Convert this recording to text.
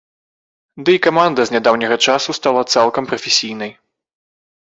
Ды і каманда з нядаўняга часу стала цалкам прафесійнай.